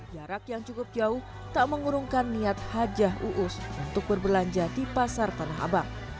jarak yang cukup jauh tak mengurungkan niat hajah uus untuk berbelanja di pasar tanah abang